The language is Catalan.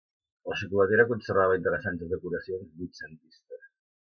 La xocolatera conservava interessants decoracions vuitcentistes.